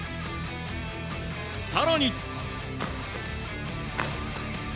更に。